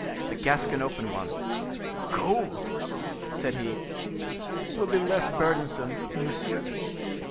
The Gascon opened one. "Gold!" said he. "It will be less burdensome, monsieur."